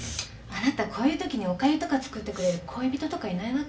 あなたこういうときにお粥とか作ってくれる恋人いないわけ？